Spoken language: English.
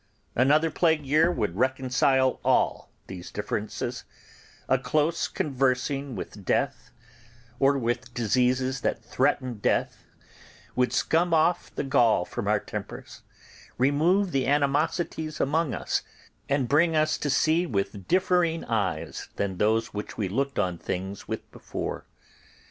Another plague year would reconcile all these differences; a close conversing with death, or with diseases that threaten death, would scum off the gall from our tempers, remove the animosities among us, and bring us to see with differing eyes than those which we looked on things with before.